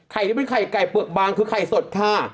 ที่เป็นไข่ไก่เปลือกบางคือไข่สดค่ะ